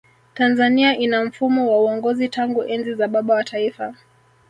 tanzania ina mfumo wa uongozi tangu enzi za baba wa taifa